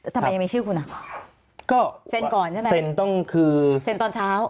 ทำไมยังมีชื่อคุณอ่ะก็เซ็นก่อนใช่ไหมเซ็นต้องคือเซ็นตอนเช้า